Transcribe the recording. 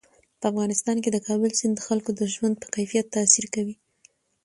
په افغانستان کې د کابل سیند د خلکو د ژوند په کیفیت تاثیر کوي.